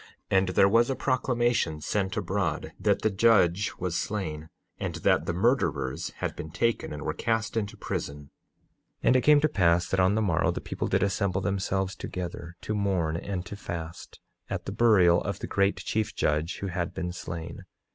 And there was a proclamation sent abroad that the judge was slain, and that the murderers had been taken and were cast into prison. 9:10 And it came to pass that on the morrow the people did assemble themselves together to mourn and to fast, at the burial of the great chief judge who had been slain.